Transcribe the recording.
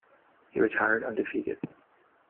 He retired undefeated.